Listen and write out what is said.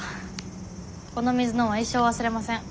この水の恩は一生忘れません。